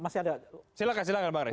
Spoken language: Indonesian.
silahkan silahkan bang re